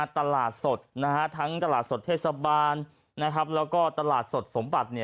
ตลาดสดทั้งตลาดสดเทศบาลแล้วก็ตลาดสดสมบัติ